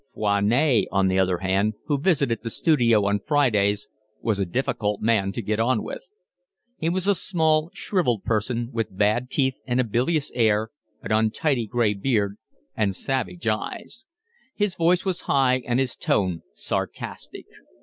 Foinet, on the other hand, who visited the studio on Fridays, was a difficult man to get on with. He was a small, shrivelled person, with bad teeth and a bilious air, an untidy gray beard, and savage eyes; his voice was high and his tone sarcastic.